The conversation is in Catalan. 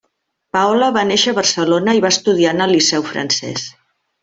Paola va néixer a Barcelona i va estudiar en el Liceu Francès.